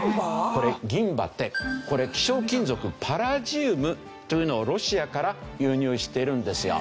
これ銀歯って希少金属パラジウムというのをロシアから輸入してるんですよ。